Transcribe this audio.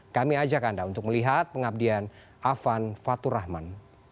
kami ajak anda untuk melihat pengabdian afan fatur rahman